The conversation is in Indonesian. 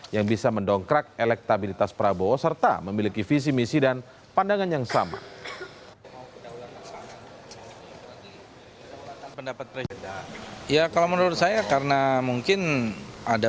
yang bisa mendongkrak elektabilitas prabowo serta memiliki visi misi dan pandangan yang sama